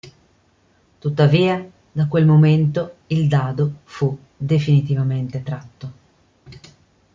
Tuttavia, da quel momento il dado fu definitivamente tratto.